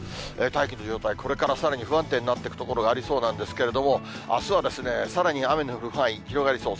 大気の状態、これからさらに不安定になっていく所ありそうなんですけれども、あすはさらに雨の降る範囲、広がりそう。